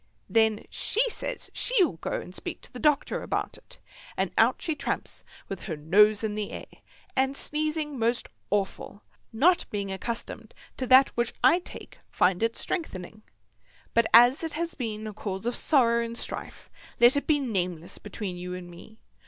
Then she says she'll go and speak to the doctor about it; and out she tramps with her nose in the air, and sneezing most awful, not being accustomed to that which I take, find it strengthening, but as it have been a cause of sorrow and strife let it be nameless between you and me.